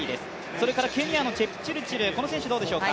それからケニアのチェプチルチル、この選手はどうでしょうか。